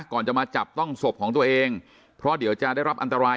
ก่อนจะมาจับต้องศพของตัวเองเพราะเดี๋ยวจะได้รับอันตราย